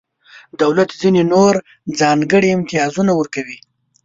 دولت ځینې نور ځانګړي امتیازونه ورکوي.